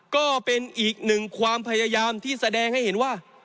ก็เป็นอีกหนึ่งความพยายามที่แสดงให้เห็นว่า